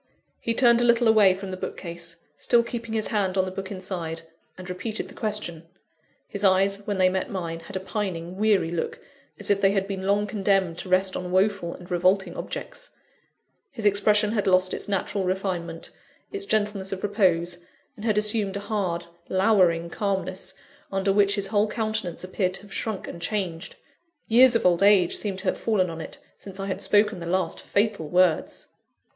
He turned a little away from the bookcase still keeping his hand on the book inside and repeated the question. His eyes, when they met mine, had a pining, weary look, as if they had been long condemned to rest on woeful and revolting objects; his expression had lost its natural refinement, its gentleness of repose, and had assumed a hard, lowering calmness, under which his whole countenance appeared to have shrunk and changed years of old age seemed to have fallen on it, since I had spoken the last fatal words!